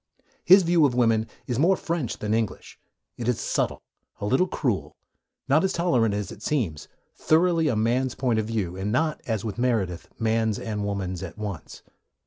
His view of women is more French than English; it is subtle, a little cruel, not as tolerant as it seems, thoroughly a man's point of view, and not, as with Meredith, man's and woman's at once.